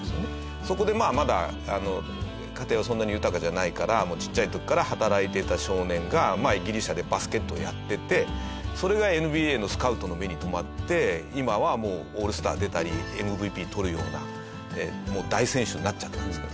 そこでまだ家庭はそんなに豊かじゃないからちっちゃい時から働いていた少年がギリシャでバスケットをやっててそれがＮＢＡのスカウトの目に留まって今はもうオールスター出たりＭＶＰ取るようなもう大選手になっちゃってるんですけど。